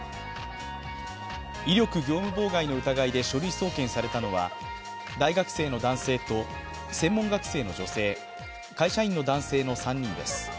威力業務妨害の疑いで書類送検されたのは、大学生の男性と専門学生の女性、会社員の男性の３人です。